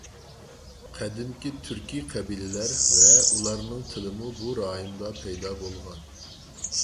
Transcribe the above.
قەدىمكى تۈركىي قەبىلىلەر ۋە ئۇلارنىڭ تىلىمۇ بۇ رايوندا پەيدا بولغان.